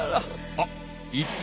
あっいた。